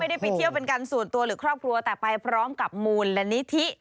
ไปเที่ยวเป็นการส่วนตัวหรือครอบครัวแต่ไปพร้อมกับมูลนิธิ